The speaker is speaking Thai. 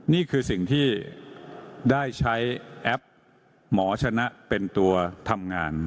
นี่คือสิ่งที่ได้ใช้แอปหมอชนะเป็นตัวทำงาน